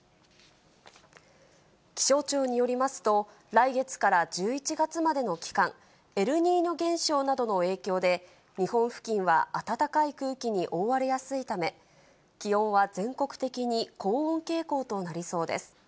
気象庁によりますと、来月から１１月までの期間、エルニーニョ現象などの影響で、日本付近は暖かい空気に覆われやすいため、気温は全国的に高温傾向となりそうです。